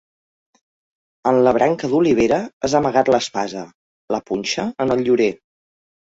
En la branca d'olivera has amagat l'espasa, la punxa en el llorer.